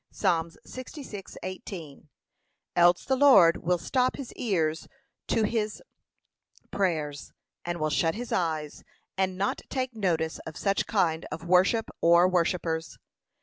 (Psa. 66:18) Else the Lord will stop his ears to his prayers, and will shut his eyes, and not take notice of such kind of worship or worshippers.